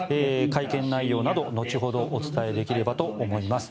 会見内容など後ほどお伝えできればと思います。